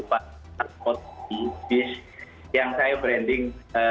sponsor mbak di bis yang saya branding